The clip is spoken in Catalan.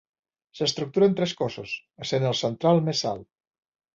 S'estructura en tres cossos essent el central més alt.